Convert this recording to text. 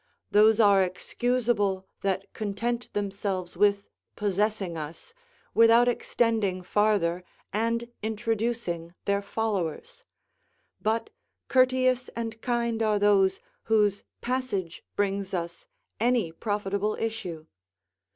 Those are excusable that content themselves with possessing us, without extending farther and introducing their followers; but courteous and kind are those whose passage brings us any profitable issue.